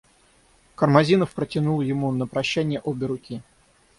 Кармазинов протянул ему на прощание обе руки.